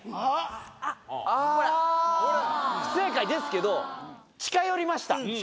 不正解ですけど近寄りました。